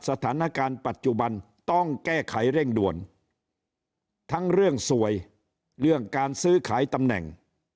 สถานการณ์ปัจจุบันต้องแก้ไขเร่งด่วนทั้งเรื่องสวยเรื่องการซื้อขายตำแหน่ง